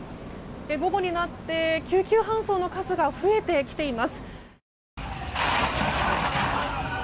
午後になって救急搬送の数が増えてきています。